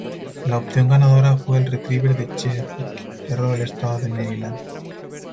La opción ganadora fue el Retriever de Chesapeake, el perro del estado de Maryland.